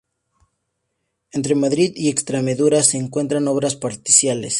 Entre Madrid y Extremadura, se encuentran obras parciales.